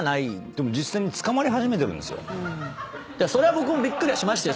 そりゃ僕もびっくりしましたよ。